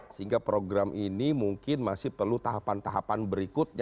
sehingga program ini mungkin masih perlu tahapan tahapan berikutnya